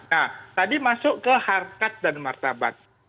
nah tadi masuk ke harkat dan martabat